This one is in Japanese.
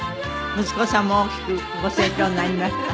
息子さんも大きくご成長になりました。